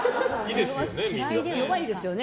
弱いですよね。